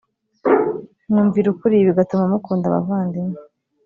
mwumvira ukuri bigatuma mukunda abavandimwe